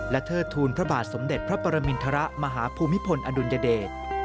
เทิดทูลพระบาทสมเด็จพระปรมินทรมาฮภูมิพลอดุลยเดช